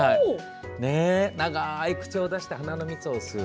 長い口を出して花の蜜を吸う。